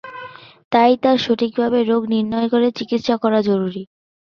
তাই তার সঠিকভাবে রোগ নির্ণয় করে চিকিৎসা করা জরুরী।